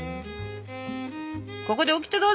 ここでオキテどうぞ！